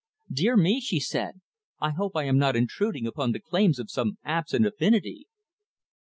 "Dear me," she said, "I hope I am not intruding upon the claims of some absent affinity."